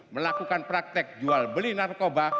melakukan praktek jual beli narkoba